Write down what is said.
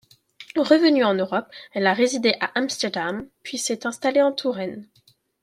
Revenue en Europe, elle a résidé à Amsterdam, puis s'est installée en Touraine.